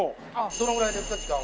どのぐらいですか？